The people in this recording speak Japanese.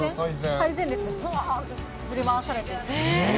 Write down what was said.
最前列、ぶわーっと振り回されて。